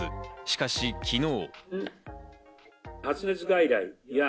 しかし、昨日。